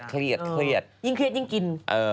ยิ่งเครียดยิ่งกิน